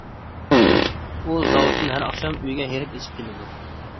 ئۇ زاۋۇتتىن ھەر ئاخشام ئۆيگە ھېرىپ-ئېچىپ كېلىدۇ.